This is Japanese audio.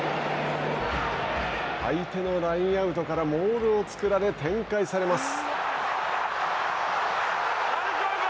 相手のラインアウトからモールを作られ展開されます。